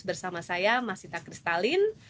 bersama saya mas sita kristalin